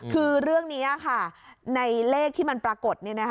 คือเรื่องนี้ค่ะในเลขที่มันปรากฏ